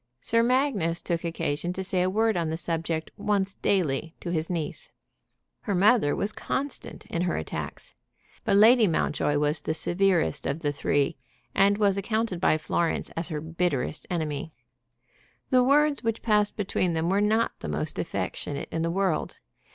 Sir Magnus took occasion to say a word on the subject once daily to his niece. Her mother was constant in her attacks. But Lady Mountjoy was the severest of the three, and was accounted by Florence as her bitterest enemy. The words which passed between them were not the most affectionate in the world.